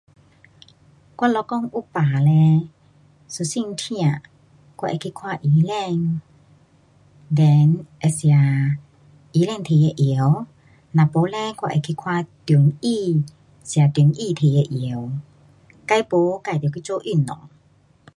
我若讲有病嘞，一身痛我会去看医生。then 会吃医生提的药，若没能我会去看中医。吃中医提的药。再没，咱得去做运动。